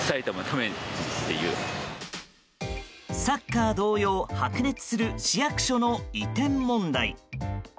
サッカー同様、白熱する市役所の移転問題。